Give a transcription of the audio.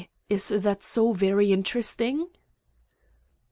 Is that so very interesting?"